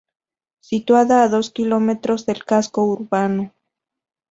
Situada a dos kilómetros del casco urbano.